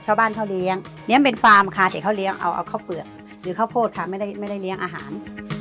ชาวบ้านเขาเลี้ยงเลี้ยงเป็นฟาร์มค่ะแต่เขาเลี้ยงเอาข้าวเปลือกหรือข้าวโพดค่ะไม่ได้เลี้ยงอาหาร